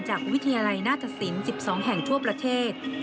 จากวิทยาลัยหน้าตสิน๑๒แห่งทั่วประเทศ